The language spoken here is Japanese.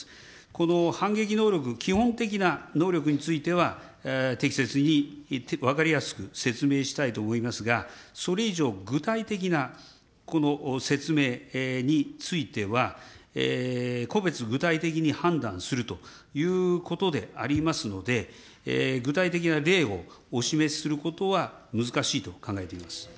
この反撃能力、基本的な能力については、適切に分かりやすく説明したいと思いますが、それ以上、具体的な説明については、個別具体的に判断するということでありますので、具体的な例をお示しすることは難しいと考えています。